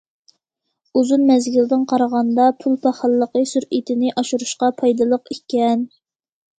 ئۇزۇن مەزگىلدىن قارىغاندا، پۇل پاخاللىقى سۈرئىتىنى ئاشۇرۇشقا پايدىلىق ئىكەن.